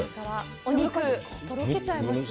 お肉、とろけちゃいますよね。